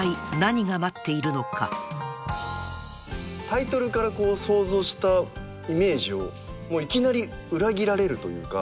タイトルから想像したイメージをいきなり裏切られるというか。